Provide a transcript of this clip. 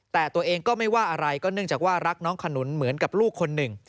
แต่ตัวเองก็ไม่ว่าอะไรก็เนื่องจากว่ารักน้องขนุนเหมือนกับลูกคนหนึ่ง